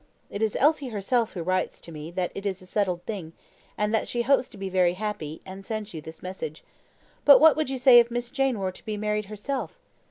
"It is Elsie herself who writes to me that it is a settled thing, and that she hopes to be very happy, and sends you this message. But what would you say if Miss Jane were to be married herself?"